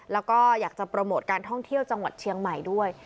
แล้วก็อยากจะโปรโมทการท่องเที่ยวจังหวัดเชียงใหม่ด้วย